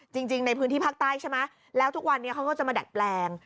จริงในพื้นที่ภาคใต้ใช่ไหมแล้วทุกวันนี้เขาก็จะมาดัดแปลง